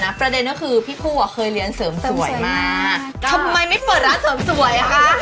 เนี่ยพันเดนก็คือพี่พู่าเคยเรียนเสริมส่วยมากทำไม้ปรากฏลับเสริมสวยฮะ